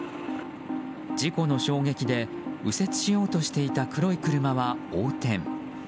事故の衝撃で右折しようとしていた黒い車は横転。